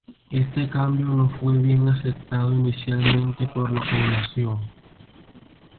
Este cambio no fue bien aceptado inicialmente por la población.